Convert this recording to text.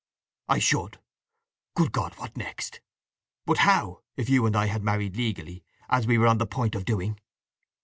"I should? Good God—what next! But how if you and I had married legally, as we were on the point of doing?"